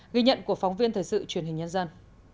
ghi nhận của phóng viên thời sự truyền hình nhân dân